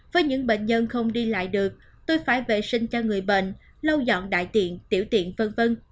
với những bệnh nhân không đi lại được tôi phải vệ sinh cho người bệnh lâu dọn đại tiện tiểu tiện v v